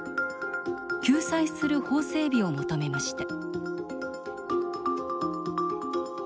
救済する法整備を求めました